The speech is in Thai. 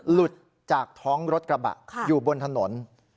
หลุดจากท้องรถกระบะอยู่บนถนน